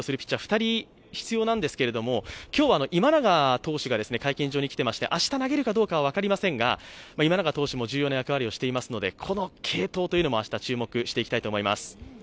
２人必要なんですけど、今日は今永投手が会見場に来ていまして、明日投げるかどうかは分かりませんが、今永投手も重要な役割をしていますのでこの継投も明日、注目していきたいと思います。